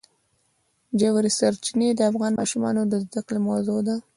ژورې سرچینې د افغان ماشومانو د زده کړې موضوع ده.